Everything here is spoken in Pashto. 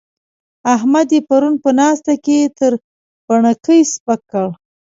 احمد يې پرون په ناسته کې تر بڼکې سپک کړ.